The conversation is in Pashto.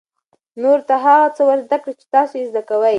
نورو ته هغه څه ور زده کړئ چې تاسو یې زده کوئ.